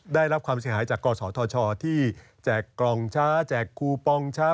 ได้รับความเสียหายจากกศธชที่แจกกล่องช้าแจกคูปองช้า